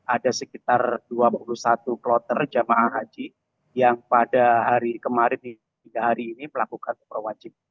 ada sekitar dua puluh satu kloter jemaah haji yang pada hari kemarin tiga hari ini melakukan upah wajib